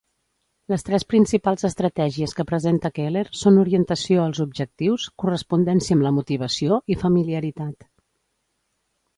Les tres principals estratègies que presenta Keller són orientació als objectius, correspondència amb la motivació i familiaritat.